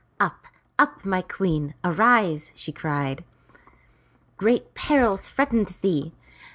" Up, up, my queen ! Arise !'* she cried. '' Great peril threatens thee.